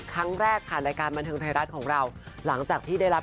ครั้งแรกผ่านรายการบันเทิงไทยรัฐของเราหลังจากที่ได้รับ